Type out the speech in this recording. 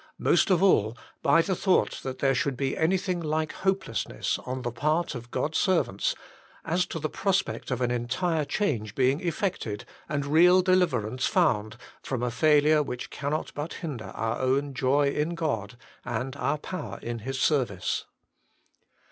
Most of all, by the thought that there should be anything like hopelessness on the part of God s servants as to the prospect of an entire change being effected, and real deliverance found from a failure which cannot but hinder our own joy in G(?d, and our power in THE LACK OF PRAYER 11 His service.